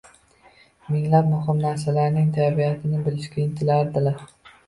minglab muhim narsalarning tabiatini bilishga intiladilar